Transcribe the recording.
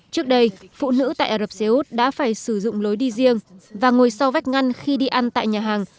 trước đây phụ nữ tại ả rập xê út đã phải sử dụng lối đi riêng và ngồi sau vách ngăn khi đi ăn tại nhà hàng